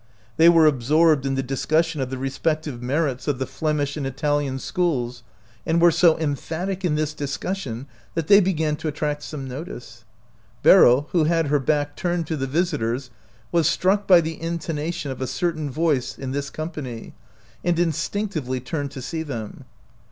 They were absorbed in the discussion of the respective merits of 77 OUT OF BOHEMIA the Flemish and Italian schools, and were so emphatic in this discussion that they began to attract some notice. Beryl, who had her back turned to the visitors, was struck by the intonation of a certain voice in this com pany, and instinctively turned to see them.